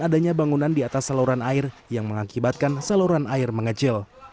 dan di atas saluran air yang mengakibatkan saluran air mengecil